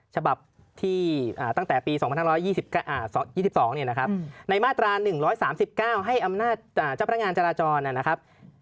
ฉบับที่ตั้งแต่ปี๒๕๒๒ในมาตรา๑๓๙ให้อำนาจเจ้าพนักงานจราจรนะครับ